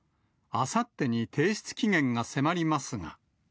あさってに提出期限が迫りますが。